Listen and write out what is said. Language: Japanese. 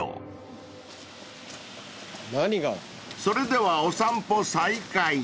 ［それではお散歩再開］